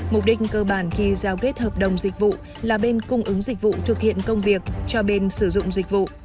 mục đích cơ bản khi giao kết hợp đồng dịch vụ là bên cung ứng dịch vụ thực hiện công việc cho bên sử dụng dịch vụ